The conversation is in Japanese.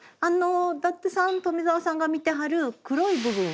伊達さん富澤さんが見てはる黒い部分